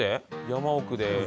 山奥で。